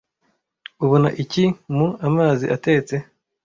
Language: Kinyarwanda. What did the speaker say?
ubona iki mu Amazi atetse